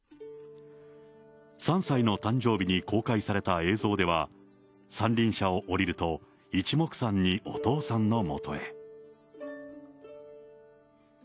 ３歳の誕生日に公開された映像では三輪車を降りると、いちもくさんにお父さんのもとへ。